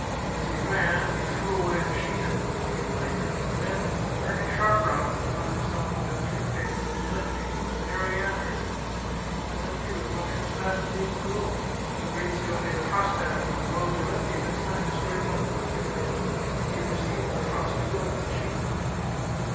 As he ran he threw away the sheath of the hunting knife, and then, turning sharp round, he found himself within three paces of Giletti, who was tearing after him. Giletti was running as 196 The Chartreuse of Parma fast as he could go; Fabrizio made a thrust at him, and though Giletti had time to strike up the hunting knife a Httle, he received the thrust full in his cheek.